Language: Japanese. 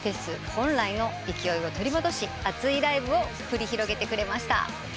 本来の勢いを取り戻し熱いライブを繰り広げてくれました。